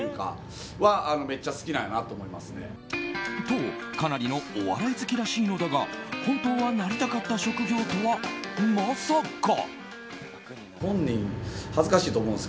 と、かなりのお笑い好きらしいのだが本当はなりたかった職業とはまさか。